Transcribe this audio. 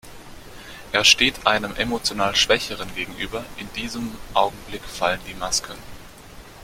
Er steht einem emotional Schwächeren gegenüber, in diesem Augenblick fallen die Masken.